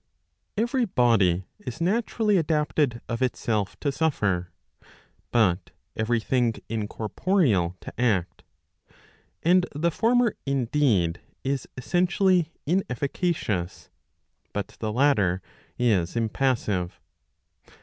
Every body is naturally adapted of itself to suffer; but every thing incorporeal to act. And the former indeed is essentially inefficacious* but the latter is impassive.